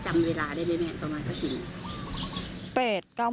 จำเวลาได้แน่ตอนวัน้สติริ้ว